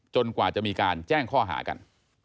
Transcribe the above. กว่าจะมีการแจ้งข้อหากัน